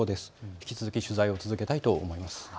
引き続き取材を続けたいと思います。